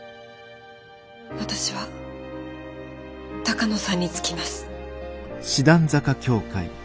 私は鷹野さんにつきます。